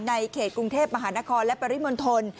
ในเขตกรุงเทพมหานครและปริมณฑล